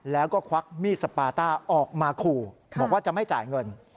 แล้วก็ควักมีดสปาต้าออกมาขู่บอกว่าจะไม่จ่ายเงิน